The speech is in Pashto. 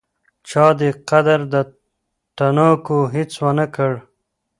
چا دې قدر د تڼاکو هیڅ ونکړ